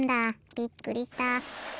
びっくりした。